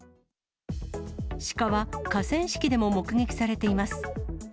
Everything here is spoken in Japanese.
シカは河川敷でも目撃されています。